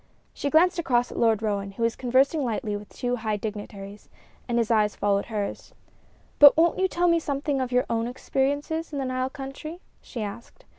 She glanced across at Lord Roane, who was conversing lightly with two high dignitaries, and his eyes followed hers. "But won't you tell me something of your own experiences in the Nile country?" she asked.